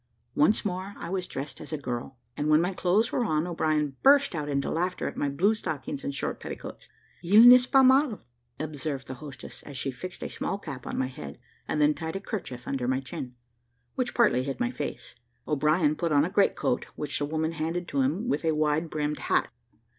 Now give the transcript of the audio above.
Once more I was dressed as a girl, and when my clothes were on, O'Brien burst out into laughter at my blue stockings and short petticoats. "Il n'est pas mal," observed the hostess, as she fixed a small cap on my head, and then tied a kerchief under my chin, which partly hid my face. O'Brien put on a great coat, which the woman handed to him, with a wide brimmed hat.